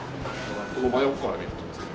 真横から見るとですね